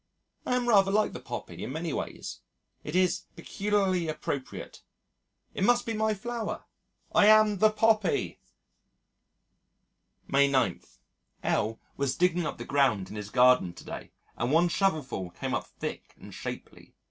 I am rather like the poppy in many ways.... It is peculiarly appropriate. It must be my flower! I am the poppy!! May 9. L was digging up the ground in his garden to day and one shovelful came up thick and shapely.